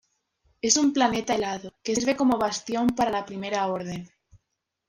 Es un planeta helado, que sirve como bastión para la Primera Orden.